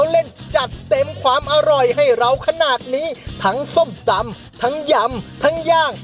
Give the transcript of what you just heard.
เล่นจัดเต็มความอร่อยให้เราขนาดนี้ทั้งส้มตำทั้งยำทั้งย่าง